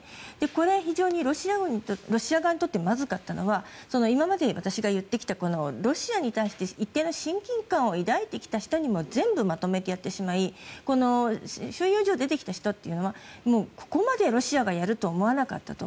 これは非常にロシア側にとってまずかったのは今まで私が言ってきたロシアに対して一定の親近感を抱いてきた人にもまとめてやってしまい収容所を出てきた人というのはここまでロシアがやるとは思わなかったと。